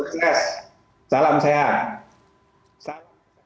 sukses salam sehat